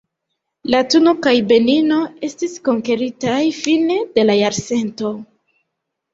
Latuno kaj Benino estis konkeritaj fine de la jarcento.